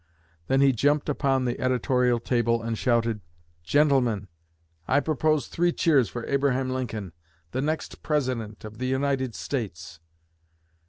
Then he jumped upon the editorial table and shouted, 'Gentlemen, I propose three cheers for Abraham Lincoln, the next President of the United States!'